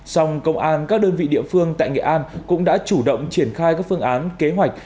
song công an các đơn vị địa phương tại nghệ an cũng đã chủ động triển khai các phương án kế hoạch